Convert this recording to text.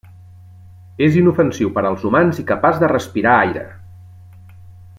És inofensiu per als humans i capaç de respirar aire.